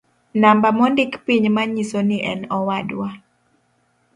Namba mondik piny manyiso ni en owadwa